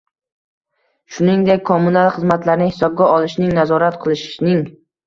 shuningdek kommunal xizmatlarni hisobga olishning, nazorat qilishning